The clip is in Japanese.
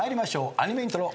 アニメイントロ。